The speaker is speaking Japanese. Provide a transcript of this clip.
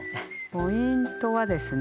ポイントはですね